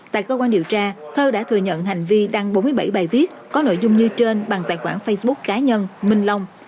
tại cơ quan điều tra thơ đã thừa nhận hành vi đăng bốn mươi bảy bài viết có nội dung như trên bằng tài khoản facebook cá nhân minh long